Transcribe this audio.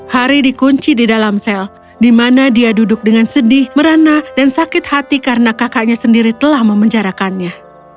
hari dikunci di dalam sel di mana dia duduk dengan sedih merana dan sakit hati karena kakaknya sendiri telah memenjarakannya